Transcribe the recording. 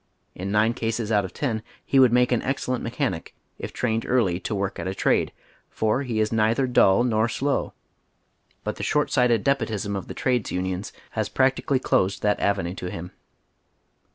In nine cases out of ten he would make an excellent mechanic, if trained early to woi'k at a trade, for he is neither dull nor slow, but the short sighted despotism of the trades unions has practicaliy closed that avenue to him.